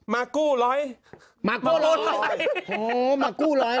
มากู่รอย